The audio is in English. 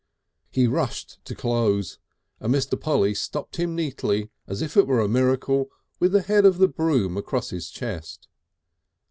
He rushed to close, and Mr. Polly stopped him neatly, as it were a miracle, with the head of the broom across his chest.